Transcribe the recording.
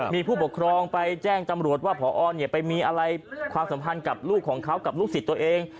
มีผู้ปกครองไปแจ้งจำรวจว่าพอไปมีอะไรความสัมพันธ์กับลูกของเขากับลูกศิษย์ตัวเอง